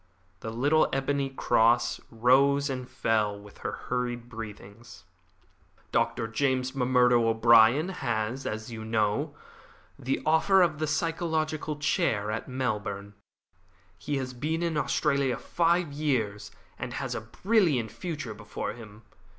The little ebony cross rose and fell with her hurried breathings. "Dr. James M'Murdo O'Brien has, as you know, the offer of the physiological chair at Melbourne. He has been in Australia five years, and has a brilliant future before him.